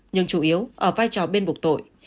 nhưng chủ yếu ở vai trò bên bục tội